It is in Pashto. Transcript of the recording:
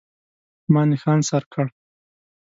ما نښان سر کړ.